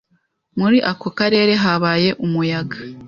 Muri ako karere habaye umuyaga.